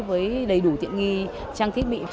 với đầy đủ thiện nghi trang thiết bị